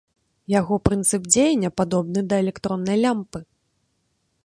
Яго прынцып дзеяння падобны да электроннай лямпы.